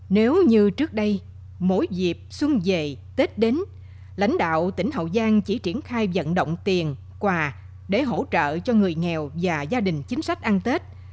nếu như trước đây mỗi dịp xuân về tết đến lãnh đạo tỉnh hậu giang chỉ triển khai dẫn động tiền quà để hỗ trợ cho người nghèo và gia đình chính sách ăn tết